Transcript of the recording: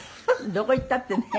どこ行ったってね。